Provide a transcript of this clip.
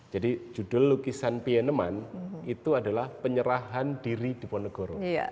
jadi judul lukisan pieneman itu adalah penyerahan diri diponegoro